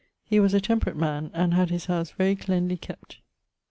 He was a temperate man, and had his house very cleanly kept.